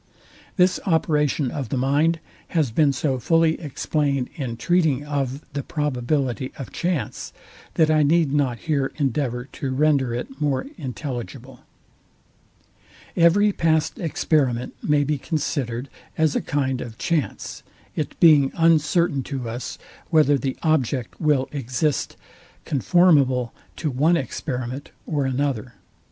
This operation of the mind has been so fully explained in treating of the probability of chance, that I need not here endeavour to render it more intelligible. Every past experiment may be considered as a kind of chance; I it being uncertain to us, whether the object will exist conformable to one experiment or another.